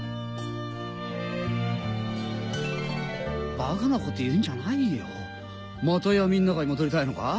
バカなこと言うんじゃないよまた闇ん中に戻りたいのか？